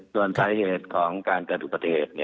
ส่วนสาเหตุของการกระดูกประเทศ